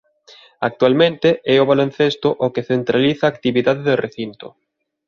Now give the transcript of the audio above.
Actualmente é o baloncesto o que centraliza a actividade do recinto.